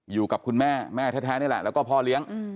อยู่กับคุณแม่แม่แท้นี่แหละแล้วก็พ่อเลี้ยง